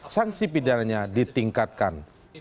sanksi pidana nya ditingkatkan